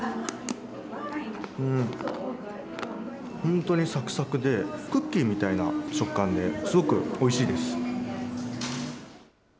本当にさくさくで、クッキーみたいな食感で、すごくおいしいです。